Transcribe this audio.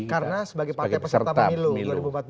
karena sebagai partai peserta pemilu dua ribu empat belas